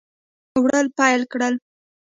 ښځه ډوډۍ وړل پیل کړل.